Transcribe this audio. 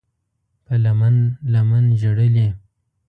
په لمن، لمن ژړلي